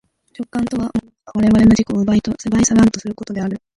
直観とは物が我々の自己を奪い去らんとすることである。